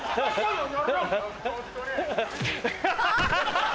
ハハハ！